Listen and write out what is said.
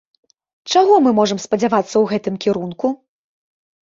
Чаго мы можам спадзявацца ў гэтым кірунку?